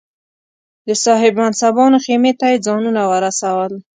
د صاحب منصبانو خېمې ته یې ځانونه ورسول.